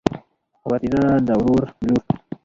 وريره د ورور لور.